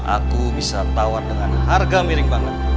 aku bisa tawar dengan harga miring banget